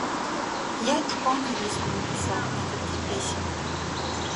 Я і па-англійску напісаў некалькі песень.